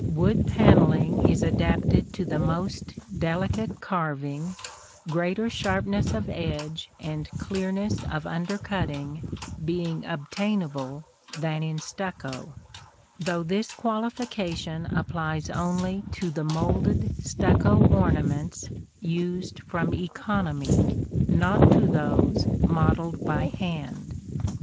Wood panelling is adapted to the most delicate carving, greater sharpness of edge and clearness of undercutting being obtainable than in stucco: though this qualification applies only to the moulded stucco ornaments used from economy, not to those modelled by hand.